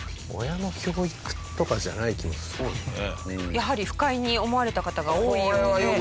やはり不快に思われた方が多いようで。